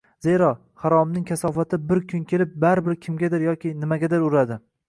Zero, haromning kasofati bir kun kelib, baribir kimgadir yoki nimagadir uradi.